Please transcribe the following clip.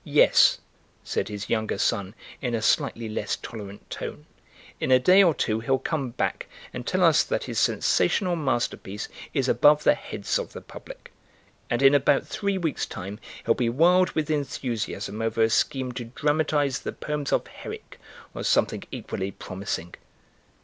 "Yes," said his younger son, in a slightly less tolerant tone, "in a day or two he'll come back and tell us that his sensational masterpiece is above the heads of the public, and in about three weeks' time he'll be wild with enthusiasm over a scheme to dramatise the poems of Herrick or something equally promising."